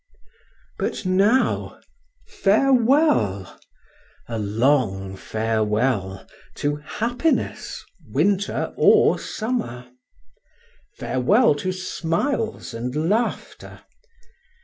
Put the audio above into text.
But now, farewell—a long farewell—to happiness, winter or summer! Farewell to smiles and laughter!